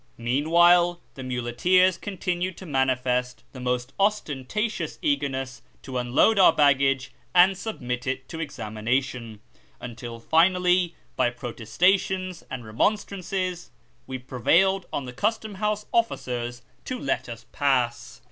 Meanwhile the muleteers continued to manifest the most ostentatious eagerness to un load our baggage and submit it to examination, until finally, by protestations and remonstrances, we prevailed on the custom house officers to let us pass.